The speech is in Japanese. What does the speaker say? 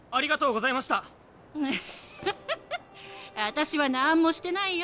私はなんもしてないよ。